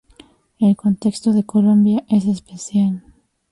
El contexto de Colombia es especial.